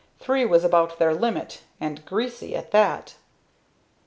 "Three was about their limit, and greasy, at that."